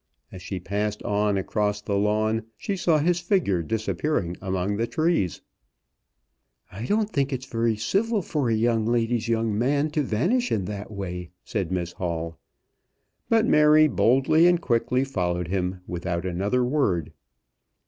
As she passed on, across the lawn, she saw his figure disappearing among the trees. "I don't think it very civil for a young lady's young man to vanish in that way," said Miss Hall. But Mary boldly and quickly followed him, without another word.